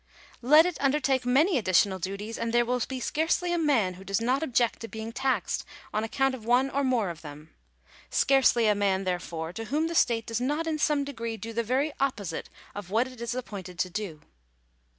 Let it undertake many additional duties, and there will be scarcely a man who does not object to being taxed on account of one or more of them — scarcely a man, therefore, to whom the state does not in some degree do the very opposite of what it is appointed to do.